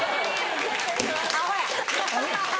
アホや。